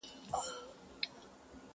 دا ویده پښتون له خوبه پاڅومه!!